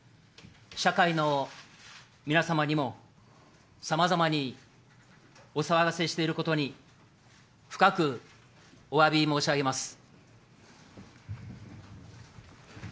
社会の皆様にもさまざまにお騒がせしていることに、深くおわび申し上げます。